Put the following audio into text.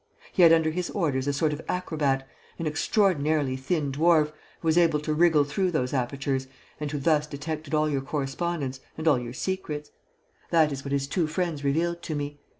He had under his orders a sort of acrobat, an extraordinarily thin dwarf, who was able to wriggle through those apertures and who thus detected all your correspondence and all your secrets. That is what his two friends revealed to me.